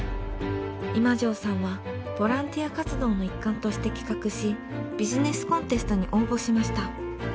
今城さんはボランティア活動の一環として企画しビジネスコンテストに応募しました。